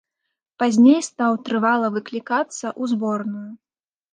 Пазней стаў трывала выклікацца ў зборную.